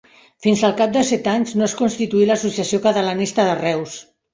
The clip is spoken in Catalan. Fins al cap de set anys no es constituí l'Associació Catalanista de Reus.